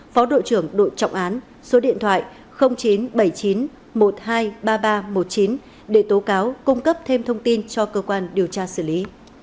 phó đội trưởng đội trọng án số điện thoại chín trăm bảy mươi chín một nghìn hai mươi ba nghìn ba trăm một mươi chín để tố cáo cung cấp thêm thông tin cho cơ quan điều tra xử lý